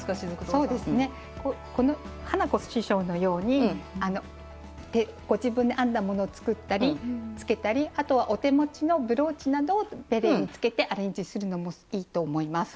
そうですね花子師匠のようにご自分で編んだものを作ったり付けたりあとはお手持ちのブローチなどをベレーに付けてアレンジするのもいいと思います。